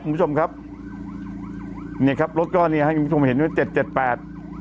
คุณผู้ชมครับเนี่ยครับรถก้อนเนี้ยให้คุณผู้ชมเห็นด้วยเจ็ดเจ็ดแปด